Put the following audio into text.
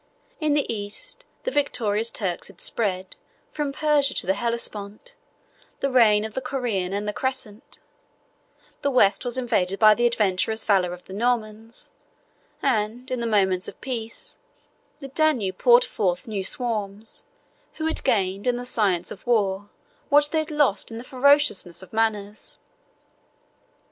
In the East, the victorious Turks had spread, from Persia to the Hellespont, the reign of the Koran and the Crescent: the West was invaded by the adventurous valor of the Normans; and, in the moments of peace, the Danube poured forth new swarms, who had gained, in the science of war, what they had lost in the ferociousness of manners.